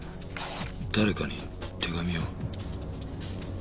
誰かに手紙を？